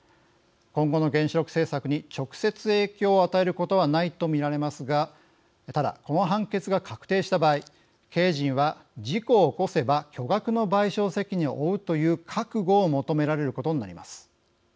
今後の原子力政策に直接影響を与えることはないと見られますがただ、この判決が確定した場合経営陣は事故を起こせば巨額の賠償責任を負うという覚悟を求められることになります。